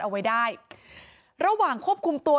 เอาไว้ได้ระหว่างควบคุมตัว